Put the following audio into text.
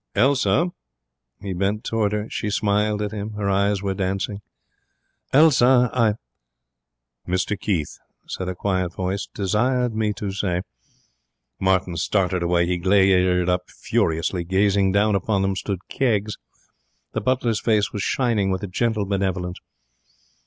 'Elsa!' He bent towards her. She smiled at him. Her eyes were dancing. 'Elsa, I ' 'Mr Keith,' said a quiet voice, 'desired me to say ' Martin started away. He glared up furiously. Gazing down upon them stood Keggs. The butler's face was shining with a gentle benevolence.